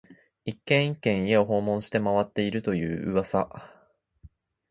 一軒、一軒、家を訪問して回っていると言う噂